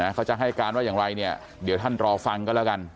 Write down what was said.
เขาจะให้การว่าอย่างไรเนี่ยเดี๋ยวท่านรอฟังกันแล้วกัน